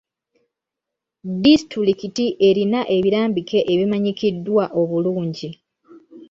Disitulikiti erina ebirambike ebimanyikiddwa obulungi.